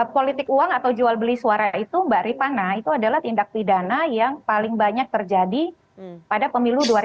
politik uang atau jual beli suara itu mbak ripana itu adalah tindak pidana yang paling banyak terjadi pada pemilu dua ribu sembilan belas